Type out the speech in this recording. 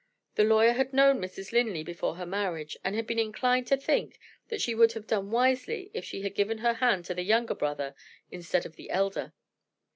The lawyer had known Mrs. Linley before her marriage, and had been inclined to think that she would have done wisely if she had given her hand to the younger brother instead of the elder.